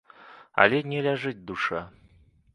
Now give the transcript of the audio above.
Але не ляжыць душа.